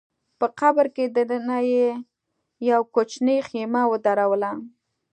په قبر کي دننه يې يوه کوچنۍ خېمه ودروله